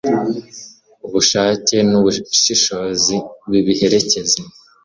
ubushake n'ubushishozi bibiherekeje